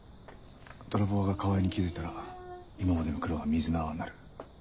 泥棒が川合に気付いたら今までの苦労が水の泡になる。